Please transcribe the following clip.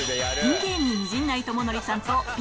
芸人、陣内智則さんとピ